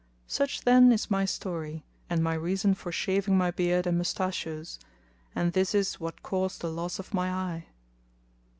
Such then is my story and my reason for shaving my beard and mustachios, and this is what caused the loss of my eye.